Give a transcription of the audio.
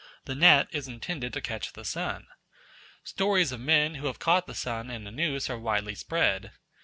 The net is intended to catch the sun. Stories of men who have caught the sun in a noose are widely spread.